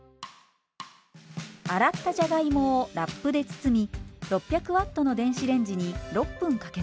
洗ったじゃがいもをラップで包み６００Ｗの電子レンジに６分かけます。